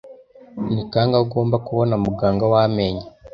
Ni kangahe ugomba kubona muganga w'amenyo?